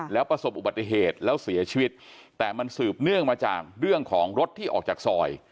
แล้วประสบอุบัติเหตุแล้วเสียชีวิตแต่มันสืบเนื่องมาจากเรื่องของรถที่ออกจากซอย